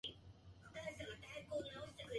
そういう日もあるよね